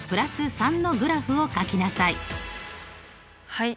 はい。